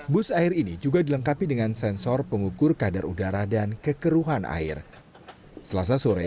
bus air ini juga dilengkapi dengan sensor pengukur kadar udara dan kekeruhan air selasa sore